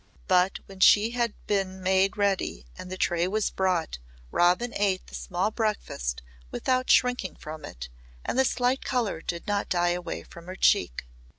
But when she had been made ready and the tray was brought Robin ate the small breakfast without shrinking from it, and the slight colour did not die away from her cheek.